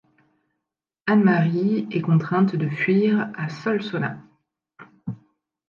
Anne Marie est contrainte de fuir à Solsona.